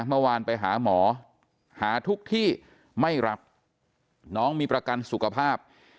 เมื่อวานไปหาหมอหาทุกที่ไม่รับน้องมีประกันสุขภาพ